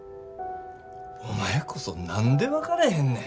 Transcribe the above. お前こそ何で分かれへんね。